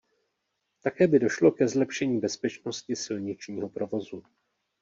Také by došlo ke zlepšení bezpečnosti silničního provozu.